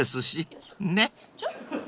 ［ねっ］